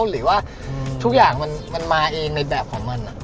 หรือว่าทุกอย่างมันมาเองในแบบของมัน